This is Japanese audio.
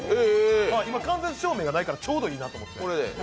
今、間接照明がないからちょうどいいなと思って、これで。